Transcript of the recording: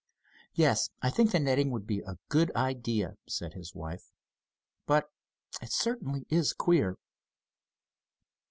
"Yes, I think the netting would be a good idea," said his wife. "But it certainly is queer."